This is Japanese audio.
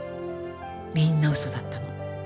みんな嘘だったの。